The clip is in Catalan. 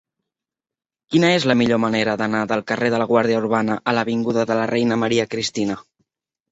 Quina és la millor manera d'anar del carrer de la Guàrdia Urbana a l'avinguda de la Reina Maria Cristina?